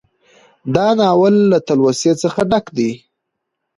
دا ناول له تلوسې څخه ډک دى